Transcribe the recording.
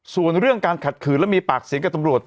ส่วนเรื่องการขัดขืนและมีปากเสียงกับตำรวจ